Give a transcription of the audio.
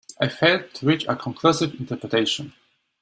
I failed to reach a conclusive interpretation.